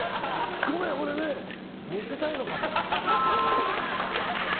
ごめん、俺ね見せたいのかも。